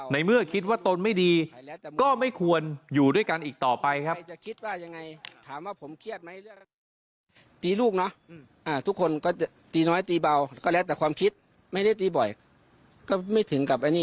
เมื่อคิดว่าตนไม่ดีก็ไม่ควรอยู่ด้วยกันอีกต่อไปครับ